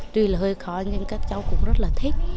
tuy là hơi khó nhưng các cháu cũng rất là thích